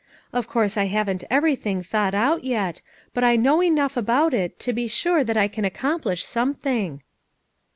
Of course I haven't everything thought out yet, but I know enough about it to be sure that I can accomplish something."